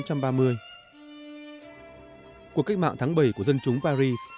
cuộc cách mạng tháng bảy của dân chúng paris